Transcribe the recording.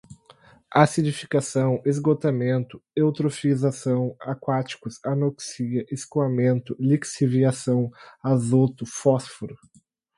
acidificação, esgotamento, eutrofização, aquáticos, anoxia, escoamento, lixiviação, azoto, fósforo